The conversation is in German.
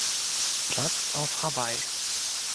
Platz auf Hawaii.